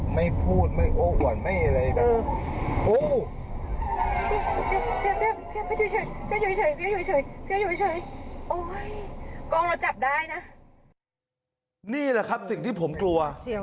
นี่แหละครับสิ่งที่ผมกลัว